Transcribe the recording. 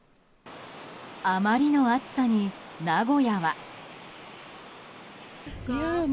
あまりの暑さに名古屋は。